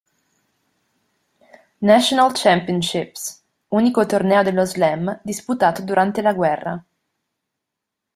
National Championships, unico torneo dello Slam disputato durante la guerra.